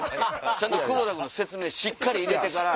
ちゃんと久保田君の説明しっかり入れてから。